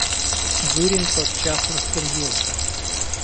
Зурин тотчас распорядился.